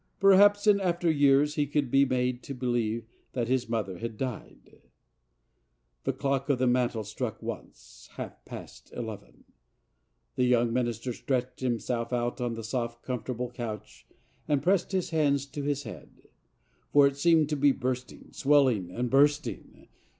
Perhaps in after years he could be made to believe that his mother had died. The clock on the mantel struck once—half past eleven. The young minister stretched himself out on the soft, comfortable couch and pressed his hands to his head, for it seemed to be bursting—swelling and bursting.